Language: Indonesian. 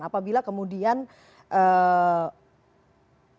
apabila kemudian evaluasi itu